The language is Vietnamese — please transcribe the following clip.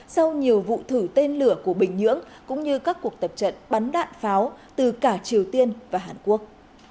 sau nhiều vụ thử tên lửa của bình nhưỡng cũng như các cuộc tập trận bắn đạn pháo từ cả triều tiên và hàn quốc